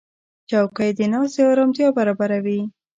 چوکۍ د ناستې آرامتیا برابروي.